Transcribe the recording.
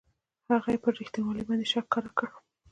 هغه یې پر رښتینوالي باندې شک ښکاره کړ.